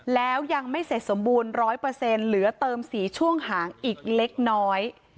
แล้วยังไม่เสร็จสมบูรณ์๑๐๐เหลือเติมสีช่วงหางอีกเล็กน้อย